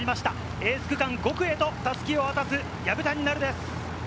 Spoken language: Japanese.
エース区間・５区へと襷を渡す、薮谷奈瑠です。